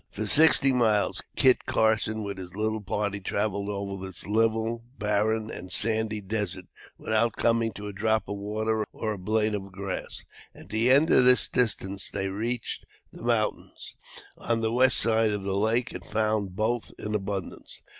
For sixty miles, Kit Carson with his little party traveled over this level, barren and sandy desert, without coming to a drop of water or a blade of grass. At the end of this distance they reached the mountains, on the west side of the lake, and found both in abundance.